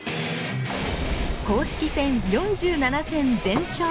公式戦４７戦全勝。